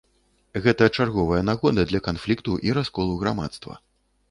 Гэта чарговая нагода для канфлікту і расколу грамадства.